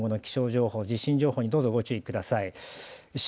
今後の気象情報、地震情報にどうぞご注意ください。